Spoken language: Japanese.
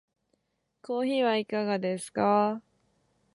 コーヒーはいかがですか？